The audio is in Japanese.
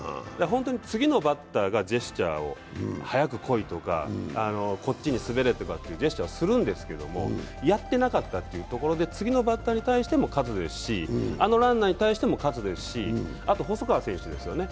次のバッターがジェスチャーを、速く来いとか、こっちに滑れとかというジェスチャーをするんですけど、やってなかったというところで次のバッターに対しても喝ですし、あのランナーに対しても喝ですし細川選手ですよね。